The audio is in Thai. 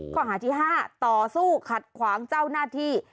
ข้อหาที่๕ต่อสู้ขัดขวางเจ้าหน้าที่